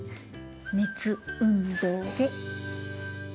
熱運動で。